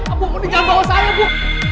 ampun jangan bawa saya bu